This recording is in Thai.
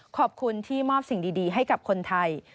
ขอบคุณที่มอบสิ่งดีให้กับคนไทย